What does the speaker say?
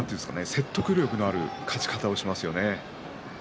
説得力のある勝ち方をしますよね。